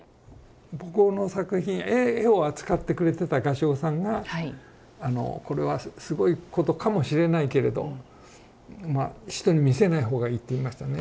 僕の作品絵を扱ってくれてた画商さんが「これはすごいことかもしれないけれど人に見せない方がいい」と言いましたね。